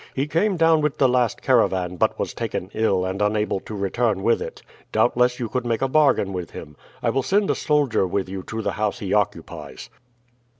He came down with the last caravan, but was taken ill and unable to return with it. Doubtless you could make a bargain with him. I will send a soldier with you to the house he occupies."